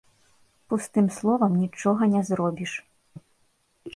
Пустым словам нічога не зробіш.